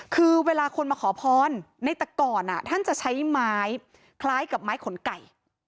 คือเวลาคนมาขอพรในแต่ก่อนท่านจะใช้ไม้คล้ายกับไม้ขนไก่